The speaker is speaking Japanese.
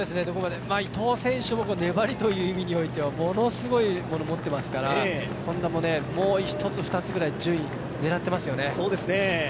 伊藤選手も粘りという意味においてはものすごいものもってますからＨｏｎｄａももう１つ、２つぐらい順位狙っていますよね。